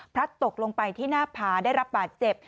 ตกลงไปที่หน้าผาได้รับบาดเจ็บ